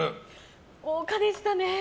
豪華でしたね。